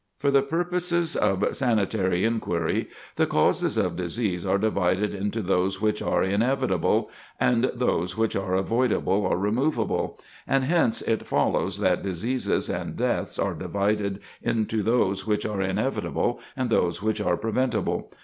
For the purposes of sanitary inquiry, the causes of disease are divided into those which are inevitable, and those which are avoidable or removable, and hence it follows that diseases and deaths are divided into those which are inevitable and those which are preventable.